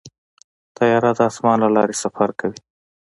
طیاره د اسمان له لارې سفر کوي.